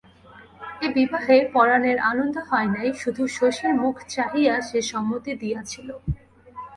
এ বিবাহে পরাণের আনন্দ হয় নাই, শুধু শশীর মুখ চাহিয়া সে সম্মতি দিয়াছিল।